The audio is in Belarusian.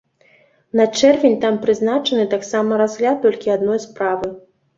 На чэрвень там прызначаны таксама разгляд толькі адной справы.